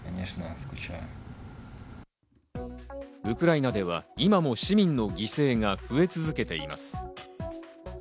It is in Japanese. ウクライナでは今も市民の犠牲が増え続けています。